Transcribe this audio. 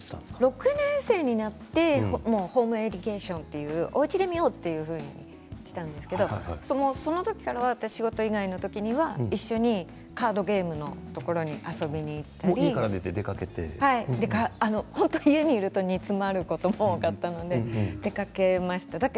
６年生になってホームエデュケーションというおうちで見ようということになってその時、私が仕事がない時は一緒にカードゲームのところに遊びに行ったり家にいると煮詰まることもあったので、出かけました。